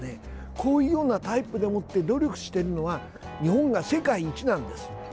こういうようなタイプでもって努力しているのは日本が世界一なんです。